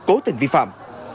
cố tình vi phạm